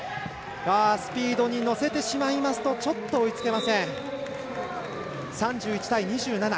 スピードに乗せてしまいますと追いつけません。